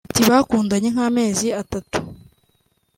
Ati “Bakundanye nk’amezi atatu